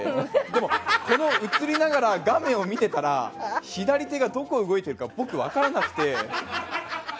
でも、映りながら画面を見てたら左手がどこに動いているか僕、分からなくて。